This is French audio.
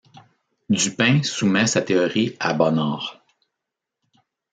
Dupin soumet sa théorie à Bonnard...